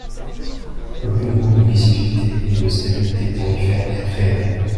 Le besoin de visibilité et de stabilité tarifaires est réel.